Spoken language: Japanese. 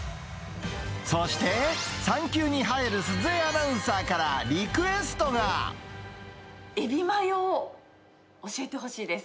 そして、産休に入る鈴江アナウンエビマヨを教えてほしいです。